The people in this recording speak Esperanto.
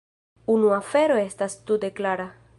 Unu afero estas tute klara.